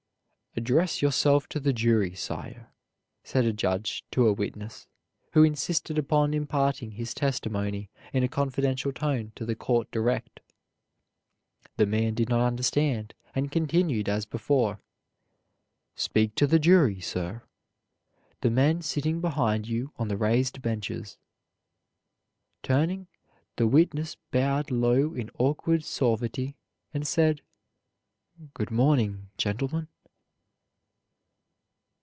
"Address yourself to the jury, sir," said a judge to a witness who insisted upon imparting his testimony in a confidential tone to the court direct. The man did not understand and continued as before. "Speak to the jury, sir, the men sitting behind you on the raised benches." Turning, the witness bowed low in awkward suavity, and said, "Good morning, gentlemen."